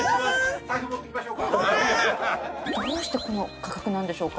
どうしてこの価格なんでしょうか？